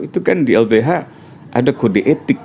itu kan di lbh ada kode etik